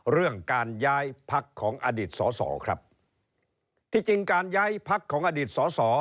เรื่องการย้ายพักของอดีตสอสอครับที่จริงการย้ายพักของอดีตสอสอ